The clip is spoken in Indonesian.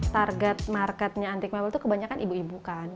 target marketnya antik mabel itu kebanyakan ibu ibukan